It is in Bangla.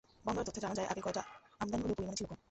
বন্দরের তথ্যে দেখা যায়, আগে কয়লা আমদানি হলেও পরিমাণে ছিল কম।